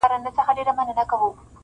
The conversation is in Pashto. پلار او مور خپلوان یې ټوله په غصه وي,